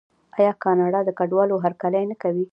آیا کاناډا د کډوالو هرکلی نه کوي؟